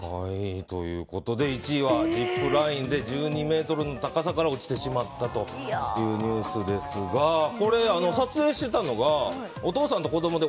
１位はジップラインで１２ｍの高さから落ちてしまったというニュースですがこれ、撮影していたのがお父さんと子供で。